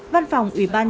văn phòng ubnd